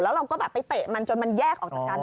แล้วเราก็แบบไปเตะมันจนมันแยกออกจากกัน